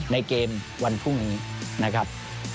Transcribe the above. ในเกมวันทุกวันนี้นะครับ